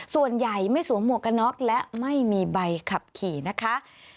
ส่วนใหญ่ไม่สวมหมวกกันน็อกและไม่มีใบขับขี่นะคะ